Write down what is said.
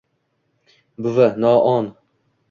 Buvi, no-o-on!